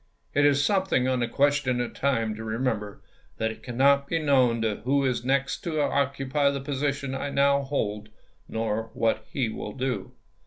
It is something on the question of time to remember that it cannot be known who is next to oc cupy the position I now hold nor what he will do.